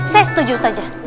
saya setuju ustazah